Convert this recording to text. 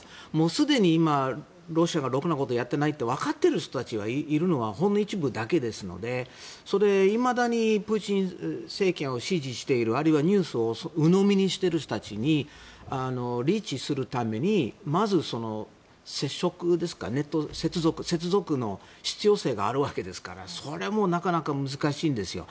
すでにロシアがろくなことやってないって分かっている人たちがいるのはほんの一部だけですからいまだにプーチン政権を支持しているあるいはニュースをうのみにしている人たちにリーチするためにまず接続の必要性があるわけですからそれも、なかなか難しいですよ。